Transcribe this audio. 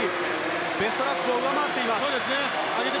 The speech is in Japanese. ベストラップを上回っています。